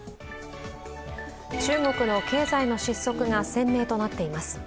中国の経済の失速が鮮明となっています。